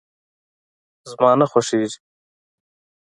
زما نه خوښيږي.